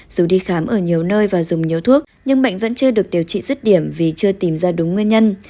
dù đi khám ở nhiều nơi và dùng nhiều thuốc nhưng bệnh vẫn chưa được điều trị rất điểm vì chưa tìm ra đúng nguyên nhân